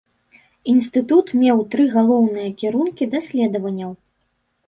Інстытут меў тры галоўныя кірункі даследаванняў.